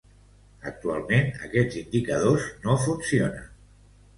Actualment aquests indicadors no funcionen.